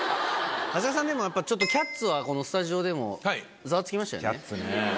長谷川さんでもやっぱちょっと「キャッツ」はこのスタジオでもざわつきましたよね。